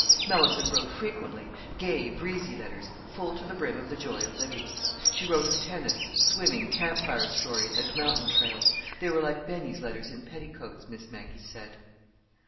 Mellicent wrote frequently—gay, breezy letters full to the brim of the joy of living. She wrote of tennis, swimming, camp fire stories, and mountain trails: they were like Benny's letters in petticoats, Miss Maggie said.